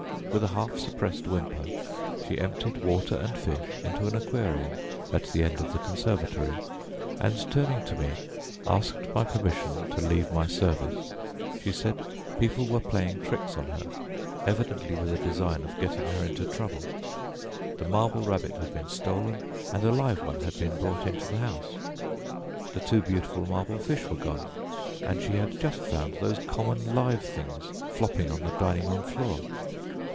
With a half suppressed whimper she emptied water and fish into an aquarium at the end of the conservatory, and turning to me asked my permission to leave my service. She said people were playing tricks on her, evidently with a design of getting her into trouble; the marble rabbit had been stolen and a live one had been brought into the house; the two beautiful marble fish were gone, and she had just found those common live things flopping on the dining room floor.